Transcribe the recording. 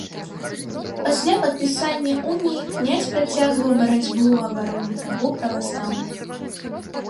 Пасля падпісання уніі князь працягваў барацьбу ў абарону правоў праваслаўных.